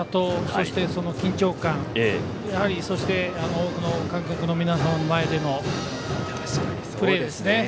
そして、やはり多くの観客の皆さんの前でのプレーですね。